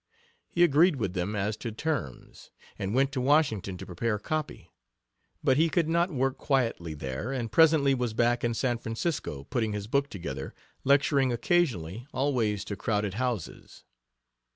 He agreed with them as to terms, and went to Washington' to prepare copy. But he could not work quietly there, and presently was back in San Francisco, putting his book together, lecturing occasionally, always to crowded houses.